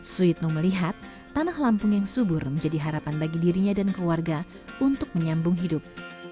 suyitno melihat tanah lampung yang subur menjadi harapan bagi dirinya dan keluarga untuk menyambung hidup